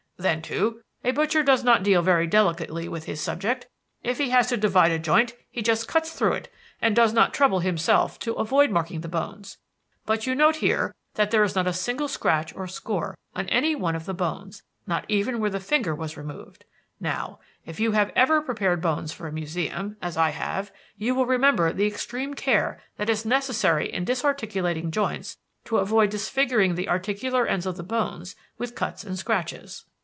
Then, too, a butcher does not deal very delicately with his subject; if he has to divide a joint, he just cuts through it and does not trouble himself to avoid marking the bones. But you note here that there is not a single scratch or score on any one of the bones, not even where the finger was removed. Now, if you have ever prepared bones for a museum, as I have, you will remember the extreme care that is necessary in disarticulating joints to avoid disfiguring the articular ends of the bones with cuts and scratches."